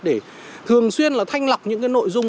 để thường xuyên thanh lọc những nội dung